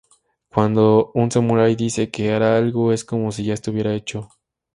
Cuando un samurái dice que hará algo, es como si ya estuviera hecho.